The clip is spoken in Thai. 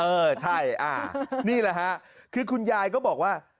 เออใช่นี่แหละฮะคือคุณยายก็บอกว่า